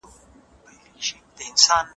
موږ باید له کړکۍ څخه ډبره چاڼ کړو.